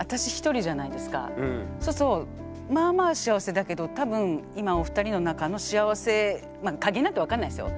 いやだけど多分今お二人の中の幸せまあ加減なんて分かんないですよ。